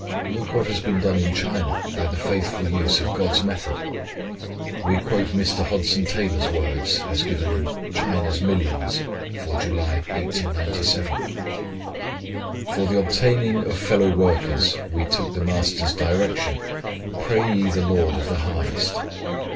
Look what has been done in China by the faithful use of GOD'S method! We quote Mr. Hudson Taylor's words as given in China's Millions for July, 1897: "For the obtaining of fellow workers we took the MASTER'S direction, 'Pray ye the LORD of the Harvest.'